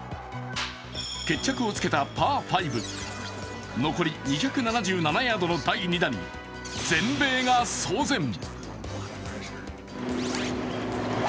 決着をつけたパー５、残り２７７ヤードの第２打に全米が騒然。